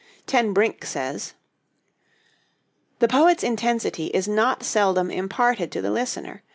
Ten Brink says: "The poet's intensity is not seldom imparted to the listener....